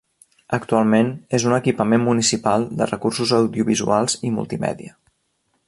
Actualment és un equipament municipal de recursos audiovisuals i multimèdia.